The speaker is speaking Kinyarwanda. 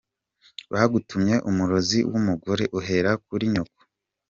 Bagutumye umurozi w’umugore uhera kuri nyoko.